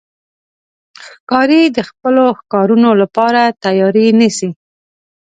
ښکاري د خپلو ښکارونو لپاره تیاری نیسي.